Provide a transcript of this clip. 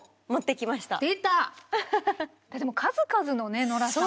でも数々のねノラさん。